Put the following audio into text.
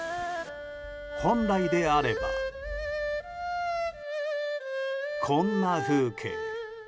本来であれば、こんな風景。